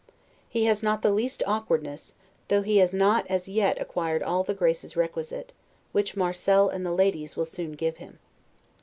He has not the least awkwardness, though he has not as yet acquired all the graces requisite; which Marcel and the ladies will soon give him.